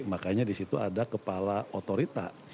makanya disitu ada kepala otorita